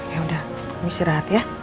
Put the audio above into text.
ya udah istirahat ya